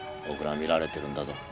僕らは見られてるんだぞ。